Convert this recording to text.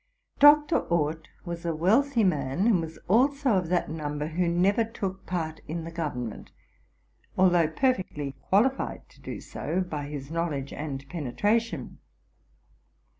Dr. Orth was a wealthy man, and was also of that number who never took part in the government, although perfectly qualified to do so by his knowledge and penetration.